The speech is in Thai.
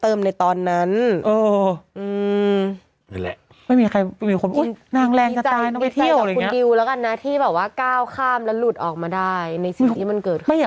เวลาผู้จัดพูดแล้วแล้วก็ทำไม